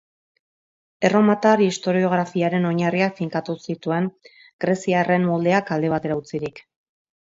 Erromatar historiografiaren oinarriak finkatu zituen, greziarren moldeak alde batera utzirik.